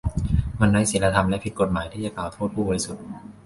มันไร้ศีลธรรมและผิดกฎหมายที่จะกล่าวโทษผู้บริสุทธิ์